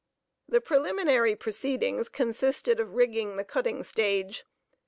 The preliminary proceedings consisted of rigging the "cutting stage."